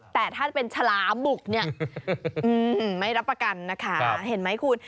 แต่ถ้าจะเป็นฉลามบุกเนี่ยไม่รับประกันนะคะเห็นไหมคุณ